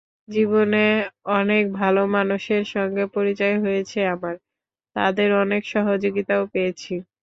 জীবনে অনেক ভালো মানুষের সঙ্গে পরিচয় হয়েছে আমার, তাঁদের অনেক সহযোগিতাও পেয়েছি।